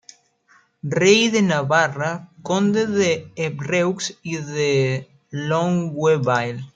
Rey de Navarra, Conde de Évreux y de Longueville.